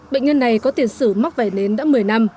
bệnh nhân này có tiền sử mắc vẩy nến đã một mươi năm